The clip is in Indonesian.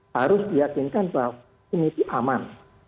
harus diyakinkan bahwa ini aman